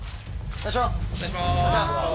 お願いします